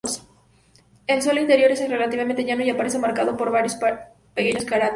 El suelo interior es relativamente llano y aparece marcado por varios pequeños cráteres.